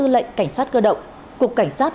lệnh cảnh sát cơ động cục cảnh sát